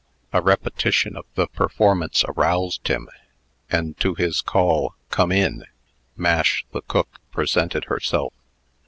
A repetition of the performance aroused him, and to his call, "Come in," Mash, the cook, presented herself.